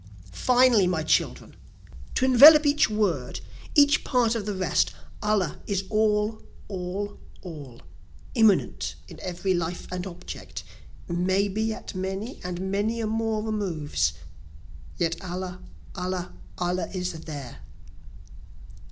"Finally my children, to envelop each word, each part of the rest, Allah is all, all, all immanent in every life and object, May be at many and many a more removes yet Allah, Allah, Allah is there.